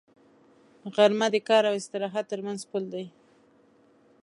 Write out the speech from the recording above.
غرمه د کار او استراحت تر منځ پل دی